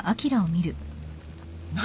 何？